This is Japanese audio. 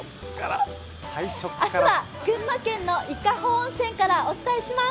明日は群馬県の伊香保温泉からお伝えします。